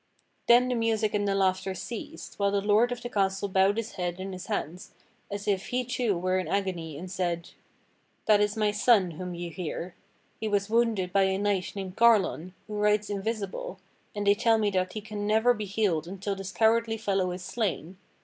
Then the music and the laughter ceased, while the lord of the castle bowed his head in his hands as if he too were in agony and said: "That is my son whom you hear. He was wounded by a knight named Garlon who rides invisible, and they tell me that he can never be healed until this cowardly fellow is slain.